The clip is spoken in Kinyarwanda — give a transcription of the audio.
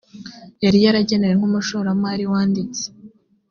yari yaragenewe nk umushoramari wanditse